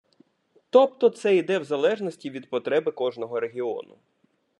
Тобто це йде в залежності від потреби кожного регіону.